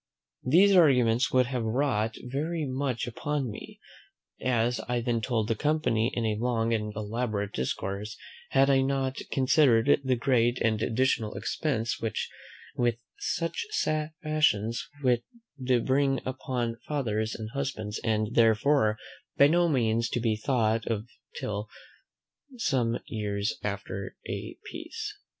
These arguments would have wrought very much upon me, as I then told the company in a long and elaborate discourse, had I not considered the great and additional expense which such fashions would bring upon fathers and husbands; and, therefore, by no means to be thought of till some years after a peace.